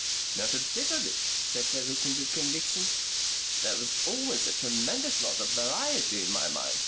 "Not a bit of it," said Sir Richmond with conviction. "There was always a tremendous lot of variety in my mind.